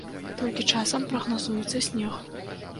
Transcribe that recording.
Толькі часам прагназуецца снег.